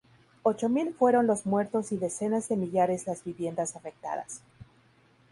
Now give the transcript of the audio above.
Ocho mil fueron los muertos y decenas de millares las viviendas afectadas.